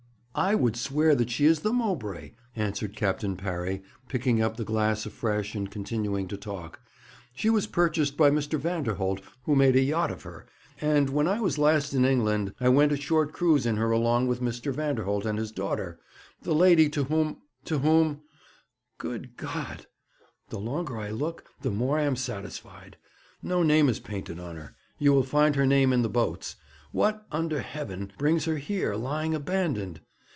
'I would swear that she is the Mowbray,' answered Captain Parry, picking up the glass afresh, and continuing to talk. 'She was purchased by Mr. Vanderholt, who made a yacht of her, and, when I was last in England, I went a short cruise in her along with Mr. Vanderholt and his daughter, the lady to whom to whom Good God! the longer I look, the more I am satisfied. No name is painted on her; you will find her name in the boats. What, under heaven, brings her here, lying abandoned?